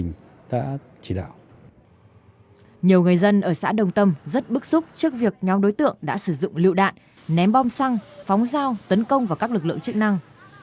nhiều người dân ở xã đồng tâm rất bức xúc trước việc nhóm đối tượng đã sử dụng lựu đạn ném bom xăng phóng dao tấn công vào các lực lượng chức năng